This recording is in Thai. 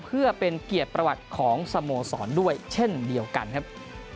เพื่อเป็นเกียรติประวัติของสโมสรด้วยเช่นเดียวกันครับ